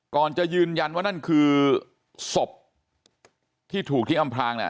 ก่อนจะยืนยันว่านั่นคือศพที่ถูกที่อำพลางเนี่ย